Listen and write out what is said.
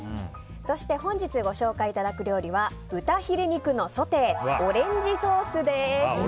そして本日ご紹介いただく料理は豚ヒレ肉のソテーオレンジソースです。